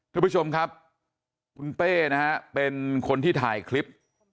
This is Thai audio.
ทุกผู้ชมครับคุณเป้นะฮะเป็นคนที่ถ่ายคลิป